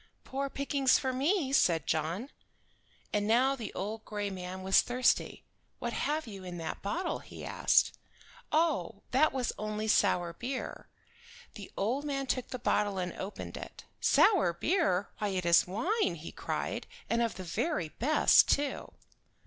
"Poor pickings for me!" said John. And now the old gray man was thirsty. "What have you in that bottle?" he asked. "Oh, that was only sour beer." The old man took the bottle and opened it. "Sour beer! Why it is wine," he cried, "and of the very best, too."